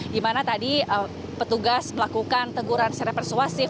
dimana tadi petugas melakukan teguran secara persuasif